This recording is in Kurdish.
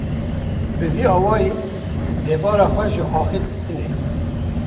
Bi vî awayî debara xwe ji axê distîne.